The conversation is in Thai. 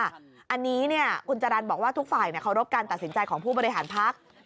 อันนี้เนี่ยคุณจารันบอกว่าทุกฝ่ายเขารบการตัดสินใจของผู้บริหารพลักษณ์